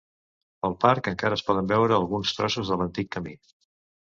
Pel parc encara es poden veure alguns trossos de l'antic camí.